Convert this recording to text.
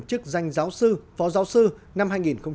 chức danh giáo sư phó giáo sư năm hai nghìn một mươi